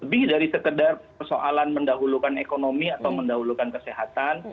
lebih dari sekedar persoalan mendahulukan ekonomi atau mendahulukan kesehatan